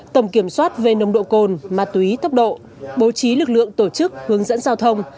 tổng kiểm soát về nông độ cồn mát túy thấp độ bố trí lực lượng tổ chức hướng dẫn giao thông